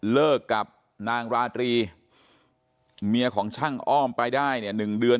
เลิกกับนางราตรีเมียของช่างอ้อมไปได้เนี่ย๑เดือน